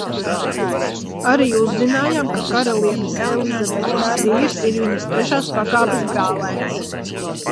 Arī uzzinājām, ka karalienes Elizabetes vīrs ir viņas trešās pakāpes brālēns.